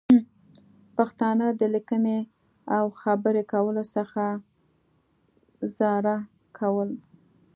پښتانه د لیکنې او خبرې کولو څخه بې زاره کول